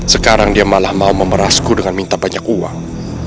sekarang dia malah mau memerasku dengan minta banyak uang